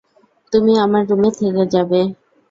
তুমি আমার রুমে থেকে যাবে।